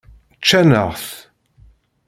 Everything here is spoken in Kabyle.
Ččan-aɣ-t.